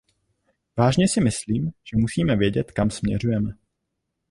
Vážně si myslím, že musíme vědět, kam směřujeme.